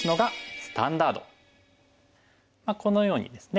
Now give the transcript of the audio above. このようにですね